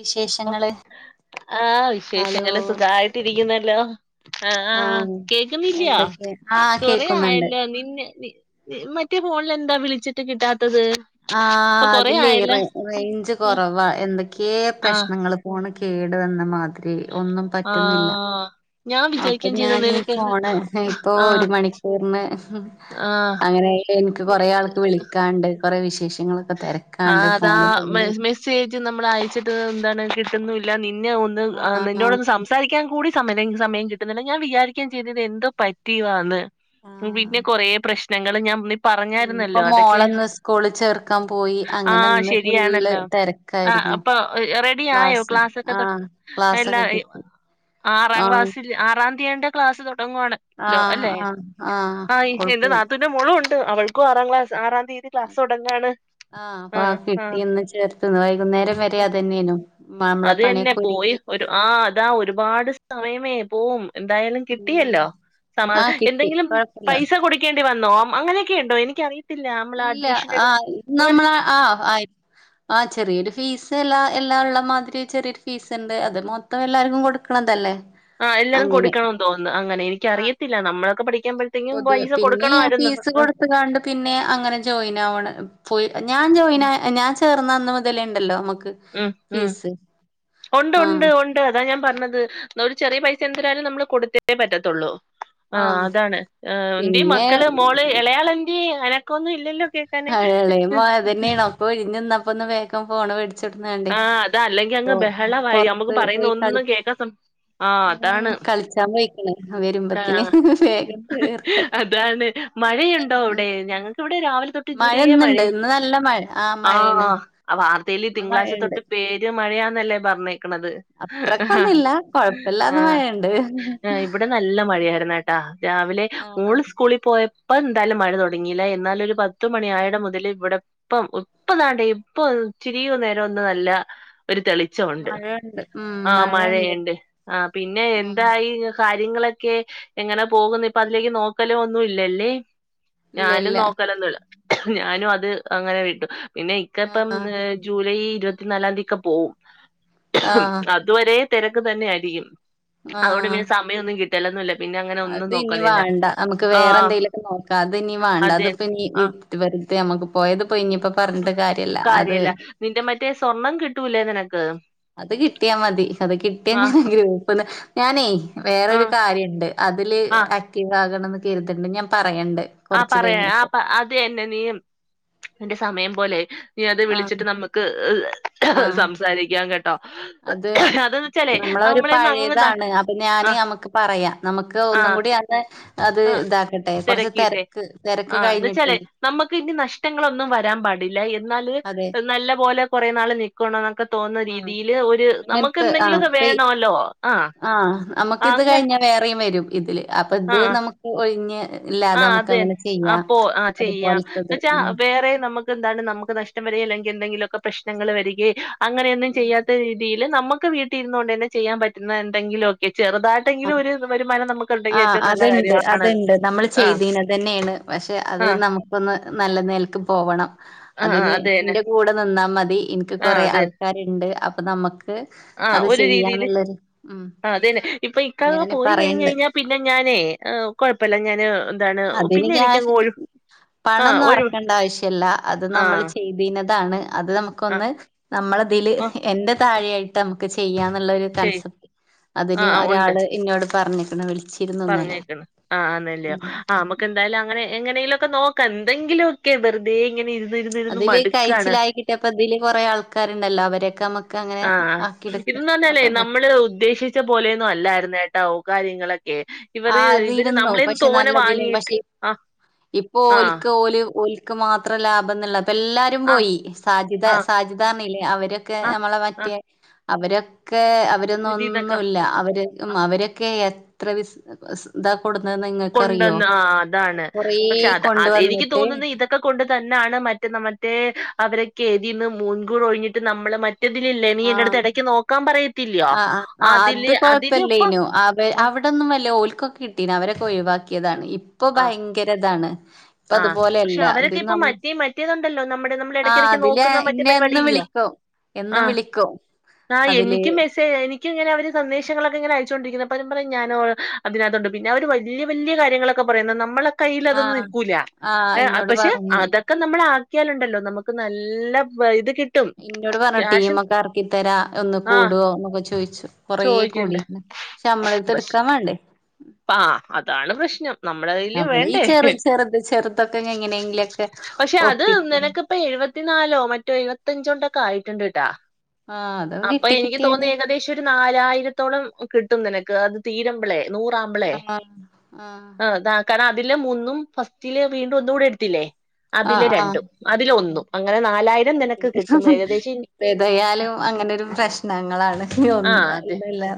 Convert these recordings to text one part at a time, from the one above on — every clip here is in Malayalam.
വിശേഷങ്ങള് [inaudible] ആ ഹലോ വിശേഷങ്ങള് സുഖായിട്ടിരിക്കുന്നല്ലോ. ആ ആ ആഹ് കേക്കുന്നില്ല, എന്തൊക്കെ ആഹ് കൊറ കേക്കുന്നുണ്ട് ആയല്ലോ നിന്നെ നി മറ്റേ ഫോണിൽ എന്താ വിളിച്ചിട്ട് കിട്ടാത്തത്. ആ ഇപ്പൊ കൊറേ അതില് ആയല്ലോ റേഞ്ച് കൊറവാ എന്തൊക്കെയെ ആഹ് പ്രശ്നങ്ങള്. ഫോണ് കേടു വന്ന മാതിരി ഒന്നും പറ്റുന്നില്ല. ആഹ് ഞാൻ അപ്പൊ വിചാരിക്കേം ചെയ്തു ഞാനി നിനക്കെന്ന് ഫോണ് ഇപ്പൊ ഒരു ആഹ് മണിക്കൂറിന് ആഹ് അങ്ങനെയെങ്കില് എനിക്ക് കൊറെ ആൾക്ക് വിളിക്കാണ്ട് കൊറെ വിശേഷങ്ങള്. തിരക്കാണ്ട് ഫോണി ചേച്ചി നമ്മള് അയച്ചിട്ട് എന്താണ് കിട്ടുന്നില്ല. നിന്ന ഒന്ന് ആഹ് നിന്നോടൊന്ന് സം സംസാരിക്കാൻ കൂടി സമ സമയം കിട്ടുന്നില്ല. ഞാൻ വിചാരിക്കാൻ ചെയ്തത് എന്തോ പറ്റിയതാന്ന്. ആഹ് പിന്നെ കൊറ പ്രശ്നങ്ങള് ഞാ നി പറഞ്ഞായിരുന്നല്ലോ അതൊക്കെ. സ്കൂളിച്ചേർ ക്കാൻ പോയി. അങ്ങനെ ആഹ് ഇന്ന് ഫുൾ ശരിയാണല്ലോ ആഹ് തിരക്കായിരുന്നു അപ്പൊ ക്ലാ ആ. അല്ല ഇ ആറാം ആഹ് ക്ലാസ്സിൽ ആറാം തീയതി എന്തേ ക്ലാസ്സ് തുടങ്ങുവാണല്ലോ. ആഹ് അല്ലെ ആഹ് ആഹ് ആ ഇന്ന് ഓൾക്ക് നാത്തൂ ന്റെ മോളും ഉണ്ട് അവൾക്കും ആറാം ക്ലാസ്. ആറാം തീയതി ക്ലാസ് തുടങ്ങുകയാണ്. ആ അപ്പ ആ കിട്ടിന്ന് ചേർത്ത് വൈകുന്നേരം വരെ അത് തന്നെയാണ്. മാമിളപ്പണിക്കയൊരുങ്ങി. ആ അതാ ഒരുപാട് സമയമേ പോവും. എന്തായാലും ഉം കിട്ടിയല്ലോ ആഹ് സമാധാ കിട്ടി എന്തെങ്കിലും കൊഴപ്പില്ല പൈസ കൊടു ക്കേണ്ടി വന്നോ അങ്ങനൊക്കെ ഉണ്ടോ എനിക്കറിയത് ഇല്ല ആഹ് ഇത് നമ്മള ആഹ് ആയിത് ആഹ് ചെറിയൊരു ഫീസ് എല്ലാ എല്ലാ ഇള്ള മാതിരി ചെറിയൊരു ഫീസ് ഉണ്ട് അത് മൊത് മൊത്തം എല്ലാവര്ക്കും കൊടുക്കണതല്ലേ ആഹ് എല്ലാവരും അങ്ങനെ കൊടുക്കണമെന്ന് തോന്നുന്നു അങ്ങനെ ആ എനിക്കറിയത്തില്ല നമ്മളൊക്കെ പഠിക്കാൻ പറ്റ് പൊതുവെ പിന്നെ ഞാൻ ഫീസ് കൊടുത്ത് കാണ്ട് പിന്നെ അങ്ങനെ ജോയിൻ ആവണ്. പോയി ഞാൻ ജോയിൻ ഉം ഞാൻ ചേർന്ന അന്ന് മുതലേ ഉണ്ടല്ലോ നമുക്ക് ഉം ഉം ഉണ്ട് ഉണ്ട് ആഹ് ഉണ്ട്. ണ്ടെ അതാ ഞാൻ പറഞ്ഞത് ഒരു ചെറിയ പൈസ എന്ത്‌രായാലും നമ്മള് കൊടുത്തേ പറ്റത്തൊള്ളൂ. ആഹ് അതാണ് ഏഹ് എന്ത്യേ പിന്നെ മക്കള് മോള് എളെയാളെന്ത്യേ അനക്കോന്നും ഇല്ലല്ലോ കേക് ഹ എളേ മ അത് തന്നെ അപ്പൊ ഒര്ങ്ങ്ന്ന് ന്നപ്പൊ ന്ന വേഗം ഫോണ് മേടിച് ച്ചെവിടുന്ന കണ്ടേ ആഹ് അതാ അല്ലെങ്കി അപ്പൊ അങ്ങ് ബഹളമായി നമുക്ക് പൊറത്ത് പറയുന്ന പോയി കളി ഒന്നും കേക്കാൻ സം ആഹ് ഉം അതാണ് കളിച്ചാ പോയിക്കണ് ആഹ് വരുമ്പത്തിന് ആഹ് വേഗം തീർക്കട്ടെ അതാണ് പിന്നെ മഴയുണ്ടോ ഉം അവിടെ ഞങ്ങൾക്കിവിടെ രാവിലെ തൊട്ട് ട്ട് മഴ ഇതുവരേ ഇന്ന്ണ്ട് മഴയ ഇന്ന് നല്ല മഴ മഴേണ് ആഹ് ആ വാർത്തയില് ഇന്ന് തിങ്കളാഴ്ച തൊ മഴണ്ട് പെരും മഴയാന്നല്ലേ പറഞ്ഞെ ക്കണത് ആഹ് അത്രക്കൊന്നുല്ല കൊഴപ്പില്ലാതെ മഴയുണ്ട് ആഹ് ഇവിടെ നല്ല ഉം മഴയാരുന്ന് കേട്ടാ രാവിലെ ആണോ മോള് സ്കൂളി പോയപ്പ എന്തായാലും മഴ തൊടങ്ങിയില്ല എന്നാലും ഒരു പത്ത് ഉം മണിയായിടം മുതല് ഇവിടെ ഇപ്പം ഇപ്പ താണ്ടേ ഇപ്പൊ ഇച്ചിരി നേരം ഒന്ന് നല്ല ഒരു തെളി ച്ചോണ്ട് മഴയുണ്ട് ഉം ആഹ് മഴയുണ്ട് ആഹ് പിന്നെ ആഹ് എന്തായി കാര്യങ്ങള് ക്കെ എങ്ങനെ പോകുന്നു ഇപ്പൊ അതിലേക്ക് നോക്കല് ഒന്നുഇല്ലല്ലേ ഇല്ല ഞാനും ഇല്ല നോക്കലൊന്നുഇല്ല ഞാനും അത് അങ്ങനെ വിട്ടു പിന്നെ ഇക്ക ഇപ്പം ആഹ് ഏഹ് ഈ ഇരുപത്തിനാലാം തീയക്ക പോവും ആഹ് അതുവരെ തെരക്ക് തന്നെയായിരിക്കും അതുകൊണ്ട് ആഹ് പിന്നെ സമയൊന്നും കിട്ട് അത് ഇനി വാണ്ട നമുക്ക് വേറെ ആഹ് എന്തേലുഒക്കെ നോക്കാം അത് ഇനി വാണ്ട അതെ അതിപ്പോ ഇനി ന് ആഹ് റ്റ് വെറുതെ നമ്മക്ക് പോയത്പ്പോയി ഇനിപ്പ പറഞ്ഞിട്ട് കാര്യല്ല അത് നിന്റെ മറ്റേ സ്വർണ്ണം കിട്ടൂല്ലേ നിനക്ക് അത് കിട്ടിയാ മതി അത് കിട്ടിയാ ഞാൻ ആഹ് ഗ്രൂപ്പ്ന്ന് ഞാനേ വേറൊരു ആഹ് കാര്യണ്ട് അതില് ആഹ് ആക്റ്റീവ് ആകണംന്ന് കരുത്ണ്ട് ഞാൻ പറയണ്ട് ആഹ് കൊറച്ച് പറയാ ആഹ് കഴിഞ്ഞിട്ട് പ അത് തന്നെ നീ നിന്റെ സമയം പോലെ നീ അത് ആഹ് വിളിച്ചിട്ട് നമ്മക്ക് ആഹ് സംസാരിക്കാം കേട് അത് നമ്മള ഒരു നമ്മളന്ന് അങ്ങ് പഴേതാണ് അപ്പൊ ഞാന് ആഹ് നമക്ക് പറയാ നമുക്ക് ഒന്നും ആഹ് കൂടി അന്ന് അത് ആഹ് ഇതാക്കട്ടെ കുറച്ച് തിരക്കിയിട്ടെ തെരക്ക് തെരക്ക് ആഹ് എന്ന് കഴിഞ്ഞിട്ടേ വെച്ചാലേ നമ്മക്ക് ഇഞ്ഞി നഷ്ടങ്ങളൊന്നും വരാൻ പാടില്ല എന്നാല് അതെ നല്ല പോലെ കുറേ നാള് നിക്ക് ക്കണോന്നൊക്ക തോന്നുന്ന ആഹ് രീതില് ഒരു നമുക്ക് അങ്ങനത്തെ ആഹ് എന്തെങ്കിലൊക്കെ ഇപ്പ വേണോല്ലോ ആഹ് അങ്ങന് വേറെം വരും ഇതില് അപ്പൊ ഇത് നമുക്ക് ഒഴിഞ്ഞ് ഇല്ലാതെ ആഹ് നമുക്ക് അത് അങ്ങനെ ചെയ്യാം അത്പോലത്തത് ച്ചാ വേറെ നമുക്ക് എന്താണ് നമുക്ക് നഷ്ടം വരികെ അല്ലെങ്കി എന്തെങ്കിലൊക്കെ പ്രശ്നങ്ങള് വരികെ അങ്ങനെയൊന്നും ചെയ്യാത്ത രീതിയില് നമുക്ക് വീട്ടിരുന്നോണ്ട് തന്നെ ചെയ്യാൻ പറ്റുന്ന എന്തെങ്കിലും ഒക്കെ ചെറുതായി ആഹ് ട്ടെങ്കിലും ഒരു വരുമാനം നമുക്ക് ഉണ്ടെങ്കി ആഹ് അത്ണ്ട് അത്ണ്ട് നമ്മൾ ചെയ്തീന തന്നേണ് പക്ഷെ അത് ആഹ് നമ്മ് അപ്പൊ നല്ല നിലക്ക് പോകണം ആഹ് ആഹ് അതിന് അത് തന്നെ ഇന്റെ കൂടെ നിന്നാ മതി ഇന്ക് ക്ക് ആഹ് കൊറെ അത് തന്നെ ആൾക്കാരുണ്ട് അപ്പൊ നമുക്ക് ആഹ് അത് ഒരു രീതിയില് ചെയ്യാന്നുള്ളൊരു ഉം ആഹ് അത് തന്നെ ഇപ്പൊ ഇക്കാക്ക ഞാന് പോയി കഴിഞ്ഞ് പറയ്ണ്ട് കഴിഞ്ഞാ പിന്നെ ഞാനേ ഏഹ് കൊഴപ്പയില്ല ഞാന് എന്താണ് അതിന് പിന്നെ ക്യാഷ് എനിക്കങ്ങ് ഒഴി ആഹ് പണൊന്നും ഒഴിവ് എറക്കണ്ട ആവശ്യല്ല അത് നമ്മള് ആഹ് ചെയ്ത് ബിനതാണ് അത് ആഹ് നമുക്കൊന്ന് നമ്മളതില് ഓഹ് എന്റെ താഴെയായിട്ട് നമുക്ക് ചെയ്യാന്നുള്ളൊരു ചെയ് കൺസെപ്റ്റ് അതിന് ആഹ് ആഹ് ഉണ്ട് ഒരാള് എന്നോട് പറഞ്ഞിക്കണ് വിളിച്ച് പറഞ്ഞേക്കണ് ആഹ് അന്നല്ലോ ആമ എന്തായാലും അങ്ങനെ എങ്ങനെങ്കിലും ഒക്കെ നോക്കാം എന്തെങ്കിലുമ ഒക്കെ വെറുതെ ഇങ്ങന ഇന്ന് ഇരു ഇരുന്ന് മടുക്കാണ്. ഇനിപ്പതില് കുറേ ആൾക്കാരുണ്ടല്ലോ അവരൊക്കെ നമുക് ആഹ് ഇതന്ന് പറഞ്ഞാലേ നമ്മള് ഉദ്ദേശിച് ച്ച പോലെയൊന്നും അല്ലായിരുന്ന ട്ടോ കാര്യങ്ങളൊക്കെ. ഇവര് ആഹ് ഇവര് അതിരുന്നു നമ്മളേന്ന് പക്ഷെ തോനെ നല്ലതിലും വാങ്ങിയിട്ട് പക്ഷെ ആഹ് ഇപ്പൊ ആഹ് ഓൽക്ക് ഓല് ഒൽ ക്ക് മാത്രം ലാഭംന്നുള്ള അപ്പൊ എല്ലാരും ആഹ് പോയി സാജിത ആഹ് സാജ് പറഞ്ഞില്ലേ അവരൊക്കെ ആഹ് നമ്മള ആഹ് മറ്റേ അവരൊക്കെ അവര് രൊന്നും ഒന്നും ഇതിന്നൊക്കെ ഇല്ല ഉം അവരൊക്കെ എത്ര ബിസ് സ് ഇതാ കൊടുന്നേന്ന് നിങ്ങക് ഉണ്ടെന്ന് ആഹ് അതാണ് പക്ഷെ അത് അത് എനിക്ക് കൊണ്ടുവന്നിട്ട് തോന്നുന്നത് ഇതെ ക്കെ കൊണ്ട് തന്നെണ് മറ്റേ മറ്റേ അവരൊക്കെ എതിന്ന് മുൻകൂർ ഒഴിഞ്ഞിട്ട് നമ്മൾ മ റ്റതിലില്ലേ നീ ആഹ് എന്റെടുത്ത് ഇടയ്ക്ക് നോക്കാൻ പറയത്തില്ലോ ആഹ് അതില് അതില പ്പ. അവിടെന്നും വല്ല ഓൽക്കൊക്കെ കിട്ടീണ് അവരൊക്കെ ഒഴിവാക്കിയതാണ്. ഇപ്പൊ ആ ഭയങ്കര ഇതാണ് ഇപ്പ ആ പക്ഷെ അതുപോലെയല്ല ഇത് അവരൊക്കെ ന ഇപ്പൊ മറ്റേ മറ്റേതുണ്ടല്ലോ നമ്മുടെ നമ്മൾ ആഹ് ഇടയ്ക്കിടയ്ക്ക് അതില് നോക്കുന്ന മറ്റേ ഇന്നെ എന്നും പരിപാടിയില്ലയോ വിളിക്കും ആ എന്നും വിളിക്കും. ആഹ് അതില് എനിക്ക് മെസ്സേജ എനി. ക്ക് ഇങ്ങനെ അവര് സന്ദേശങ്ങളൊക്കെ ഇങ്ങന അയച്ചൊണ്ടിരിക്കുന്നത് അവരം പറ ഞാനോ അതിനകതുണ്ട് പിന്നെ അവര് വലിയ വലിയ കാര്യങ്ങളെ. ക്കെ പറയുന്ന നമ്മളെ കയ്യിൽ അതൊന്നും ആഹ് നിക്കൂല ആഹ് ഏഹ് ഇന്നോട് പക്ഷെ പറഞ്ഞു അതൊക്കെ. ഒക്കെ നമ്മൾ ആക്കിയാലുണ്ടല്ലോ നമുക്ക് നല്ല ഇത്. കിട്ടും ഇന്നോട് പറഞ്ഞു ക്യാഷും ടീമൊക്കെ ആർക്കി തരാ ഒന്ന് ആഹ് കൂടുവോ എന്നൊക്കെ ചോയിച്ചു കൊറേ ചോദിക്കണ്ട് കൂടിക്ക്ണ്. ശമ്മളത്തെ പക്ഷെ എടുക്കാൻ വേണ്ടേ. ആഹ് അതാണ് പ്രശ്നം. നമ്മുടെ കയ്യില് നമ്മള ഈ വേണ്ടേ ചെറു ചെറുത് ചെറുതൊക്കെ എങ്ങനെയെങ്കിലും ഒക്കെ ഒപ്പിക്കാൻ. അപ്പൊ എഴുപത്തിനാലോ മറ്റോ എഴുപത്തഞ്ചോണ്ടൊക്കെ ആയിട്ടുണ്ട് ട്ടാ. ആഹ് അതൊക്കെ അപ്പൊ കിട്ടി എനിക്ക് തോന്ന കിട്ടിയാല് ഏകദേശം. ഒരു നാലായിരത്തോളം കിട്ടും നിനക്ക് അത് തീരുമ്പളേ. ആഹ് ആഹ്. അത കാരണം അതില് മൂന്നും ഫസ്റ്റില് വീണ്ടും ഒന്നൂടി എടുത്തില്ലേ? അതില് ആഹ് ആഹ് രണ്ടും അതില ഉം ഒന്നും അങ്ങനെ നാലായിരം നിനക്ക് കിട്ടും ഏകദേശം. ഞങ്ങളാണ് ഇന്ന് ആഹ് ഒന്ന് ഇതല്ലാ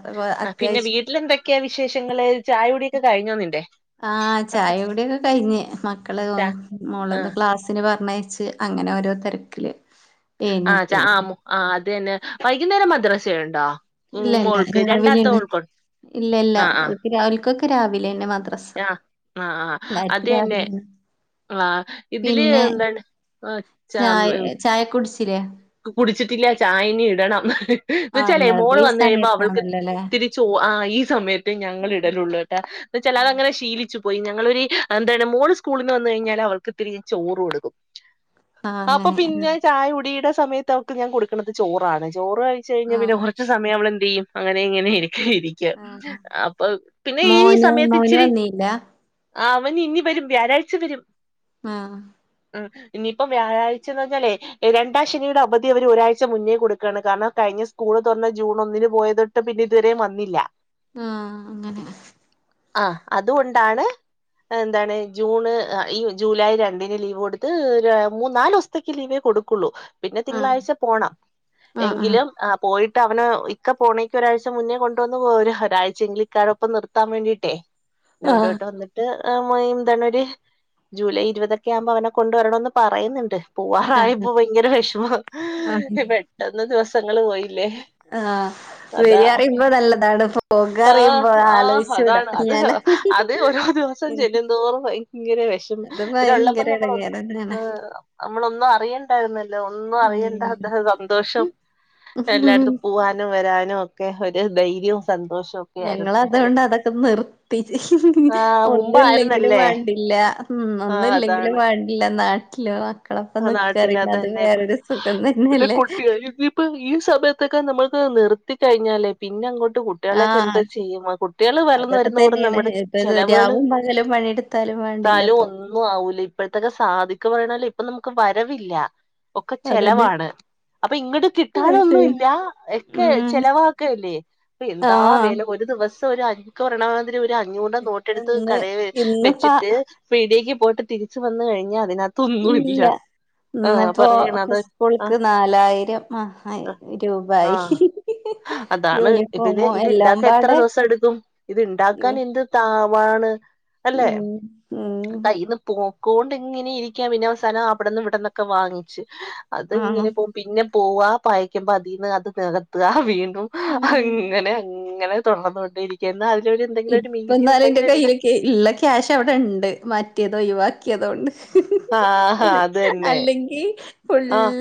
അത്യാവശ്യം. ക്ക വിശേഷങ്ങള് ചായൂടിയൊക്കെ കഴിഞ്ഞോ നിന്റെ? ആഹ് ഒക്കെ ചായ കൂടിയോക്കെ കഴിഞ്ഞ് മക്കള് ച മോളന്ന് ആഹ് ക്ലാസ്സിന് പറഞ്ഞയച്ച്. അങ്ങനെ ഓരോ തെരക്കില്. ആഹ് ച ആമു ആഹ് അത്ന്നെ വൈകുന്നേരം മദ്രസയുണ്ടോ? ഉം ഇല്ല ഇല്ല മോൾക്ക് രണ്ടാമത്തെ രാവിലെന്നെ മോൾക്കു ഇല്ല ഇല്ല ആഹ് ആഹ് ഓൾക് രാവിൽക്കക്ക് രാവിലെന്നെ മദ്രാസ്. ആഹ് ആഹ് ആ ഹ് അതന്നെ. ആഹ് ഇതില് പിന്നെ എന്താണ് ആഹ് ച്ച ചായ മ്മ് ചായ കുടിച്ചീലെ? കുടിച്ചിട്ടില്ല ചായ ഇനി ഇടണം എന്ന ആഹ് വച്ചല്ലേ മോ ഇങ്ങളത് ഓൾ ഈ വന്ന കഴിയുമ്പോ അവൾക്ക് സമയത്താണല്ലോല്ലേ ഇതിരി ചൊ ആ ഈ സമയത്ത് ഞങ്ങൾ ഇടലുള്ളൂ ട്ട. ന്നച്ചാൽ അതങ്ങനെ ശീലിച്ചു. പോയി ഞങ്ങളൊരു എന്താണ് മോള് സ്കൂള നിന്ന് വന്ന കഴിഞ്ഞാൽ അവർക്ക് ഇത്തിരി ചോറ് കൊടുക്കും. ആഹ് അപ്പൊ അങ്ങനെ പിന്നെ ചായ കുടിയുടെ. സമയത്ത് അവക്ക് ഞാൻ കൊടുക്കുന്നത് ചോറാണ് ചോറ് കഴിച്ചു കഴിഞ്ഞ പിന്നെ ആഹ് കുറച്ച് സ സമയം അവള എന്ത് ചെയ്യും അങ്ങനെ ഇങ്ങനെ എരിക്കെരിം. ക്കും ആഹ് അപ്പൊ പിന്നെ ഈ മോന് സമയത്ത് മോന് ഇച്ചിരി. വന്നില്ല ആഹ് അവന് ഇനി വരും വ്യാഴാഴ്ച വരും. ആഹ്. മ്മ് ഇനിയിപ്പം വ്യാഴാഴ്ചനഞ്ഞാലേ രണ്ട് പാ ശനിയുടെ അവധി അവർ ഒരാഴ്ച മുന്നേ കൊടുക്കണ് കാരണം കഴിഞ്ഞ സ്കൂള് തുറഞ്ഞ ജൂൺ ഒന്നിന് പോയത്. ട്ടും പിന്ന ഇതുവെയും വന്നില്ല. ആഹ് അങ്ങനെ ആഹ് അതുകൊണ്ടാണ് എന്താണ് ജൂണ് ഈ ജൂലൈ രണ്ടിന് ലീവ് കൊടുത്ത് മൂന്ന് നാല് ദിവസ ലീവേ കൊടുക്കുള്ളൂ പിന്നെ ആഹ് തിങ്കളാഴ്ച പോണം ആഹ് ആഹ് എങ്കിലും പോയിട്ട് അവന് ഇക്ക പോണേക്ക് ഒരാഴ്ച മുന്നേ കൊണ്ടുവന്ന് പോണേന് ഒരാഴ് ചെ എങ്കിൽ ഇക്കായൊപ്പം നിർത്താൻ വേണ്ടിയിട്ടേ ആഹ് [unintelligible] മ്മ് മൊയതനടി ജൂലൈ ഇരുപതൊക്കെ ആവുമ്പോ അവനെ കൊണ്ടുവരണന്ന് പറയുന്നുണ്ട്. ആഹ് പോവാറായപ്പോ ഭയങ്കര വിഷമ ആഹ് പെട്ടെന്ന് ദിവസങ്ങള് പോയില്ലേ ആഹ് അതാ വരിക അറിയുമ്പോ നല്ലതാണ് പോക ആഹ, അറിയുമ്പോ ആ, ആലോചിച്ചൂടാ അതാണ് അത് ഞാനാ അതൊരു ദിവ ദിവസം ചെല്ലുംന്തോറും ഭയങ്കര വിഷമം അത് ഇവ ടൊള്ളപ്പം ഭയങ്കര എടങ്ങേറ് നമ്മളൊന്നും തന്നെയാണ് നമ്മളൊന്നും അറിയണ്ടായിരുന്നു ഒന്നും ഉം അറിയണ്ട അദ്ദേഹം സന്തോഷം എല്ലായിടത്തും പോവാനും വരാനും ഒക്കെ ഒരു ധൈര്യവും സന്തോഷവും ഒക്കെ ഞങ്ങൾ ആയിരുന്നു അത് കൊൊണ്ട് അതൊക്കെ നിർ ആഹ് ഒന്നുമില്ലെങ്കിലും മുമ്പായിരുന്നല്ലേ വേണ്ടില്ല, ഉം ആഹ് ഒന്നില്ലെങ്കിലും അതാണ് വേണ്ട ഇല്ല നാട്ടില് മക്കളൊക്കെ ആ നിക്ക നാട്ടില് അറിയുന്നത് അത് അതല്ലേ ഇപ്പ വേറൊരു സുഖം തന്നെയല്ലേ ഇപ്പൊ ഈ സമയത്തൊക്കെ നമ്മൾക്ക് നിർത്തി കഴിഞ്ഞാലേ പിന്നെ അങ്ങോട്ട് കുട്ടികളൊക്കെ ആഹ് എന്താ ചെയ്യുന്നെ, കുട്ടികള് വളർന്നു അതൊക്കെ വരുതേറും തന്നെയാണ് നമ്മുടെ ചെിലവള് എന്തായാലും വേണ്ടില്ല ഇപ്പൊ ഒന്നും ആവൂല, ഇപ്പോഴത്തക്കെ സാധിക്ക പറയണ ഇപ്പൊ നമുക്ക് വരവില്ല ഒക്കെ അതന്നെ ചെലവാണ്. അപ്പൊ ഇങ്ങോട്ട് ഉം കിട്ടാനൊന്നു ഇല്ല ഒക്കെ ചെിലവാക്കല്ലേ. അപ്പൊ എന്താ ആഹ് വില ഒരു ദിവസം ഒരു ഇക്ക പറയണത് ഒരു അഞ്ഞൂറിന്റ നോട്ടെടുത്ത് ഇന്ന് കടയില് ഇന്നിപ്പ വെച്ചിട്ട് പിടികയ്ക്ക് പോയിട്ട് തിരിച്ച് വന്നു കഴിഞ്ഞാ അതിനകത്ത് ഒന്നും ഇല്ല ഇന്നിപ്പോൊ ആ സ്കൂൾക്ക് നാലായിരം ആയ്യായിരം രൂപായി ആഹ് അതാണ് ഇപ്പെ യൂണിഫോമും ഇത് എല്ലാം ഇണ്ടാക്കാൻ എത്ര പാടെ ദിവസം എടുക്കും ഇത് ഇണ്ടാക്കാൻ ഉം എന്ത് താവാണ് അല്ലെ ഉം കയ്ന്ന് പോക്കൊണ്ട് ഇങ്ങനെ ഇരിക്കാന് പിന്നവസാനം അവിടന്ന് ഇവിടന്നൊക്കെ വാങ്ങിച്ച് അത് ആഹ് ഇങ്ങനെ പോ പിന്നെ പോവാ അയക്കുമ്പോ അതിൽന്ന് അത് നികത്തുക വീണ്ടും ഉം അങ്ങനെ അങ്ങനെ തുടർന്നുകൊണ്ടിരിക്കന്ന് അതിലൊരു എന്തെങ്കിലും ഒരു മീതീ എന്തെങ്കിലും ഉണ്ട് ഇല്ല ക്യാഷ് അവിടെ ഉണ്ട് മാറ്റിയതോ ഒഴിവാക്കിയതോണ്ട് ആഹ് അത് തന്നെ അല്ലെങ്കിൽ ഫു ആഹ്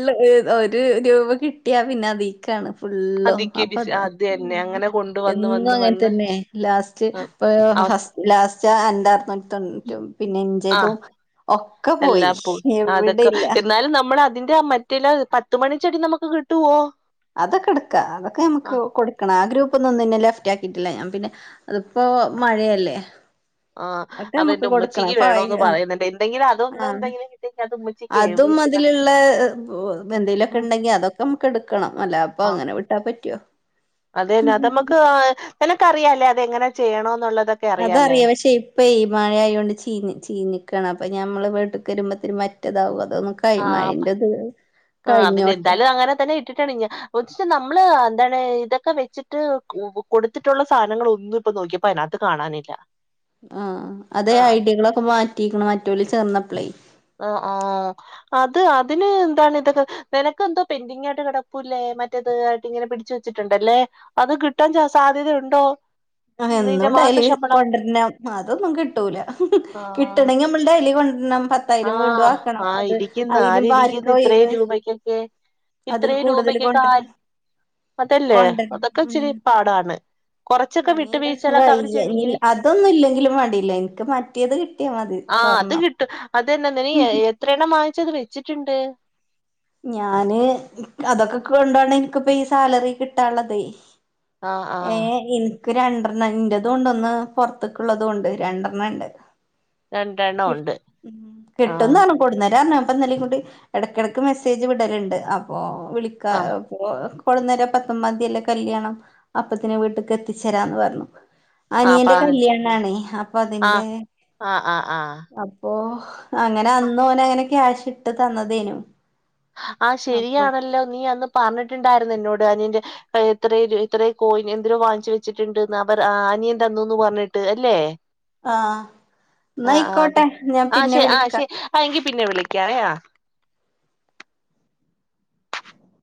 ഒരു രൂപ കിട്ടിയാ പിന്നെ അതിക്കാണ് ഫുള്ളും അതിക്ക് അപ്പ ബിസി അത അത് തന്നെ അങ്ങനെ കൊണ്ട് വന്ന് എന്നും വന്ന് അങ്ങനെ വന്ന് തന്നെ ലാസ്റ്റ് ഇ അവസ് ഫസ്റ്റ് ലാസ്റ്റ് രണ്ട അറനൂറ്റി തൊണ്ണൂറ്റും പിന്നെ എഞ്ചേതും എല്ലാ പോയി അതൊക്കെ ഇല്ല എന്നാലും നമ്മൾ അതിന്റെ ആ മ ഇല്ലെ പത്തുമണിചെടി നമുക്ക് കിട്ടുവോ അതൊക്കെടുക്ക അതൊക്കെ ആ നമക്ക് കൊടുക്ക ആ ഗ്രൂപ്പ്ന്നും ഒന്നും ലെഫ്റ്റ് ആക്കിയിട്ടില്ല ഞാൻ പിന്നെ ഇപ്പോ മഴയല്ലേ ആ അതൊക്കെ അതെന്റെ നമുക്ക് കൊടുക്കണം ഉമ്മച്ചിക്ക് അപ്പൊ വേണോന്ന് ആയി- ആ. പറയുന്നുണ്ട്, എന്തെങ്കിലുംഅതൊന്ന് ആഹ് എന്തെങ്കിലും കിട്ടെ അ അതും അതിലുള്ള എന്തെങ്കലുമൊക്കെ ഉണ്ടെങ്കിൽ അതൊക്കെ നമ്മക്ക് എടുക്കണം അല്ല അപ്പൊ അങ്ങനെ വിട്ടാ പറ്റുവോ അതെന്നെ അത് നമുക്ക് നിനക്കറിയാല്ലേ അതെങ്ങനെ ചെയ്യണം എന്നുള്ളത്. അത അറിയാ പക്ഷേ ഇപ്പൊ മഴയായൊണ്ട് ചീ ചീനിക്കണം അപ്പൊ ഞമ്മള് വീട്ടിൽ കേറുമ്പ ത്തേനും മറ്റേതാവും അതോ ആ പ- കൈമഴിന്റെറത് ആ എന്തയാലും അങ്ങനെ തന്നെ ഇട്ടിട്ടാണ് ഞാൻ ഒ നമ്മള് എന്താണ് ഇതൊക്കെ വെച്ചിട്ട് കൊടുത്തിട്ടുള്ള സാധനങ്ങൾ ഒന്നും ഇപ്പൊ നോക്കിയ പ്പ അനകത്ത് കാണാനില്ല ആഹ അതെ ആ ഐഡിയകളൊക്കെ മാറ്റിിക്കണ മറ്റല ചേർന്നപ്പളേ ആ ആ അത് അതിന് എന്താണ് ഇതൊക്കെ നിനക്ക് എന്തോ പെന്ഡിങ്ങ ആയിട്ട് കിടൂല്ലേ മറ്റേത് ആായിട്ട് ഇങ്ങനെ പിിച്ചച്ച് വെച്ചിട്ടുണ്ടല്ലേ അത് കിട്ടാൻ സാധ്യതയ ഉണ്ടോ ആ എന്നുംണ്ട അല കൊണ്ടരുന്ന അതൊന്നും കിട്ടൂല കിട്ടണെങ്കി കൊ [unintelligible] ആഹ ആഹ ഇരിക്കുന്നു, ആര് ഇരിക്കുന്നു ഇപ്പാർക്കാ ഇത്രയും ഒഴിവ് രൂപക്കൊക്കെ. അതിൽ ഇത്രയും കൂടുതൽ രൂപക്ക് കയം കൊണ്ടരണം അതല്ലേ കൊണ്ടരണം അതൊക്കെ ഇച്ചിരി ഉം പാടാണ് ച്ചൊക്കെ വിട്ട് സുഖായില്ല അതൊന്നും ഇല്ലെങ്കിലും മാണ്ടില്ല എനിക്ക് മാറ്റേത് കിട്ടിയാ മതി ആഹ് അത് സ്വർണ്ണം കിട്ടും അതെന്താ നീ എത്ര എണ്ണം വാങ്ങിച്ചത് വെച്ചിട്ടുണ്ട് ഞാന് അതൊക്കെ കൊണ്ടാണ് ഇൻക്കിപ്പ ഈ സാലറി കിട്ടാള്ളതേ ആഹ് ഏ ആഹ് ഇൻക്ക് രണ്ടെണ്ണം ഇന്റെതും ഉണ്ടൊന്ന് പൊർത്ത്ക്ക്ള്ളതുംണ്ട് രണ്ടെണ്ണം ഇണ്ട് രണ്ടെ ഉം കിട്ടുന്നാണ് കൊട്ന്നേരാ ർഞ്ഞ് അപ്പൊ ഇന്നലിം കൂടി എടക്കെടക്ക് മെസ്സേജ് വിടല്ണ്ട് അപ്പൊ വിളിക്കാ ആഹ് കൊട്ന്നെരാ പത്തൊമ്പാതിയല്ലെ കല്യാണം അപ്പത്തിന് വീട്ട്ക്ക് എത്തിച്ചേരാന്ന് പറഞ്ഞു ആഹ് പ അനിയന്റെ കല്യാണാണേ അപ്പൊ ആഹ് അതിന്റെ ആഹ് ആഹ് ആഹ് അപ്പൊ അങ്ങനെ അന്ന് ഓന അങ്ങനെ ക്യാഷ് ഇട്ട് തന്നതേനു ആഹ് അപ്പൊ ശരിയാണല്ലോ നീ അന്ന് പറഞ്ഞിട്ടുണ്ടായിരുന്നു എന്നോട് അനിയന്റെ എത്ര ഇത്ര കോയിൻ എന്തിലോ വാങ്ങിച്ചു വെച്ചിട്ടുണ്ട്ന്ന് അവർ അനിയൻ തന്നൂന്ന് പറഞ്ഞിട്ട് അല്ലേ ആഹ് ആ ആഹ് അത് ന്നായിക്കോട്ടെ ഞാൻ ആ പിന്നെ ശെ ആ വിളിക്കാ ശെ ആ എങ്കിൽ പിന്നെ വിളിക്കാവേ ആ